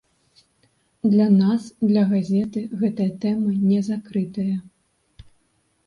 Для нас, для газеты гэтая тэма не закрытая.